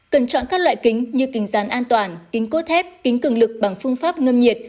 cần chọn các loại kính như kính dán an toàn kính cốt thép kính cường lực bằng phương pháp ngâm nhiệt